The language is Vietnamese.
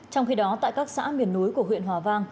trong khi đó tại các xã miền núi của huyện hòa vang